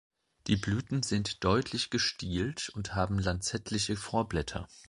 Die Blüten sind deutlich gestielt und haben lanzettliche Vorblätter.